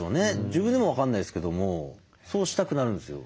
自分でも分かんないですけどもそうしたくなるんですよ。